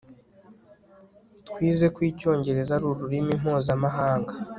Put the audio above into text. Twize ko icyongereza ari ururimi mpuzamahanga